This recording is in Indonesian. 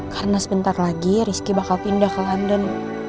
karena sebentar lagi rizky bakal pindah ke london